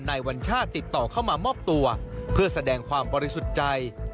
วัญชาติติดต่อเข้ามามอบตัวเพื่อแสดงความบริสุทธิ์ใจ